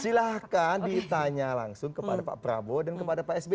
silahkan ditanya langsung kepada pak prabowo dan pak sbe